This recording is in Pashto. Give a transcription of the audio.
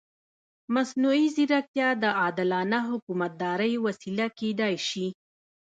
مصنوعي ځیرکتیا د عادلانه حکومتدارۍ وسیله کېدای شي.